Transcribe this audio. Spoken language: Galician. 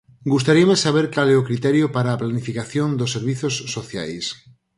Gustaríame saber cal é o criterio para a planificación dos servizos sociais.